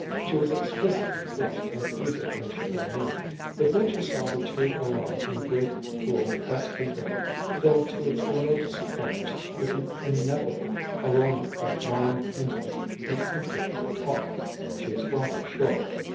She was exquisitely flushed and eager when she came in, but when she saw the two alone in the great, cool, dusky room, filled to its remotest corners with the ineffable aroma of long, intimate, and interrupted talk, she was brought up short.